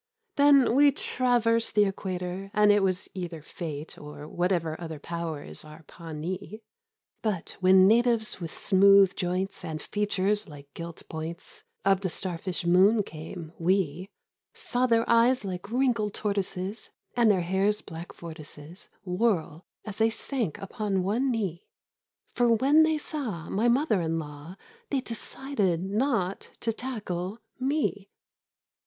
Then we traversed the equator : And it was either Fate or Whatever other Power is our pawnee — But when natives with smooth joints And features like gilt points Of the starfish moon came, we Saw their eyes like wrinkled tortoises, And their hairs' black vortices Whirl, as they sank upon one Knee. For when they saw My mother in law, They decided not to tackle Me!